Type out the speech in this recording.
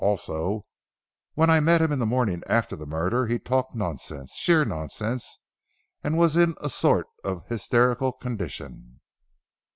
Also when I met him in the morning after the murder he talked nonsense, sheer nonsense, and was in a sort of hysterical condition."